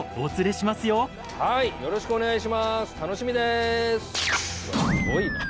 すごいな。